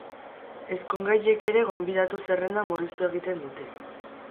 Ezkongaiek ere gonbidatu-zerrenda murriztu egiten dute.